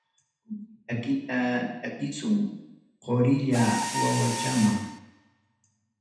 Kusi takita takisun qurilla wawachaman.